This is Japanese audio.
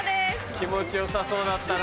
気持ちよさそうだったな。